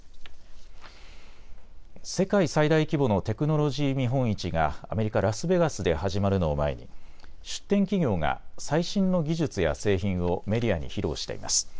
世界最大規模のテクノロジー見本市がアメリカ・ラスベガスで始まるのを前に出展企業が最新の技術や製品をメディアに披露しています。